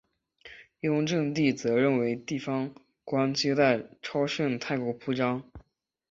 雍正帝则认为地方官接待超盛太过铺张。